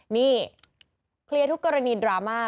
นี่เคลียร์ทุกกรณีดราม่า